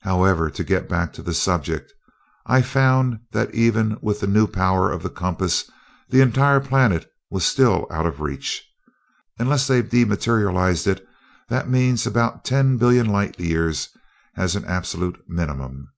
However, to get back to the subject, I found that even with the new power of the compass the entire planet was still out of reach. Unless they've dematerialized it, that means about ten billion light years as an absolute minimum.